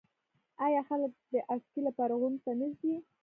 آیا خلک د اسکی لپاره غرونو ته نه ځي؟